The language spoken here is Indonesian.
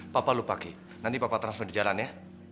papa lupa ki nanti papa transfer di jalan ya